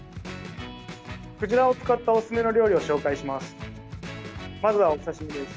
クジラを使ったおすすめの料理を紹介します。